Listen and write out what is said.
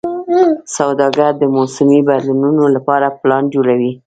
سوداګر د موسمي بدلونونو لپاره پلان جوړوي.